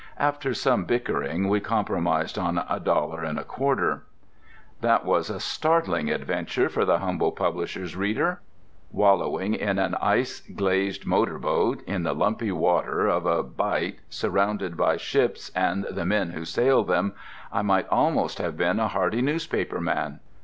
After some bickering we compromised on a dollar and a quarter. That was a startling adventure for the humble publisher's reader! Wallowing in an ice glazed motor boat, in the lumpy water of a "bight"—surrounded by ships and the men who sail them—I might almost have been a hardy newspaper man!